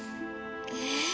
えっ？